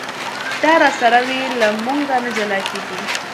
دا راسره وي له مونږه نه جلا کېږي.